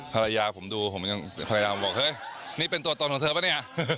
ภรรยาผมดูผมยังพยายามบอกเฮ้ยนี่เป็นตัวตนของเธอป่ะเนี่ย